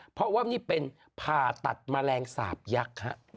เพราะว่านี่เป็นผ่าตัดแมลงสาบยักษ์ฮะ